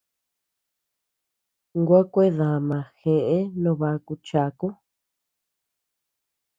Gua kuedama jeʼe no baku chaku.